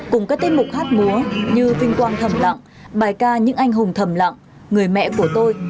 cùng các tiết mục hát múa như vinh quang thầm lặng bài ca những anh hùng thầm lặng người mẹ của tôi